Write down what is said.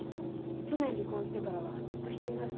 去年離婚してからはずっと一人暮らしだったみたい。